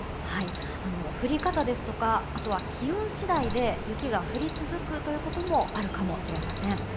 降り方ですとか、気温次第で雪が降り続くこともあるかもしれません。